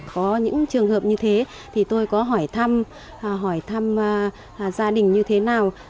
có những trường hợp như thế thì tôi có hỏi thăm gia đình như thế nào